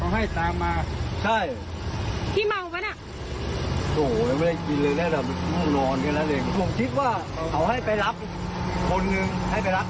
ให้ไปรับหนังพี่คิดได้ไงอ่ะ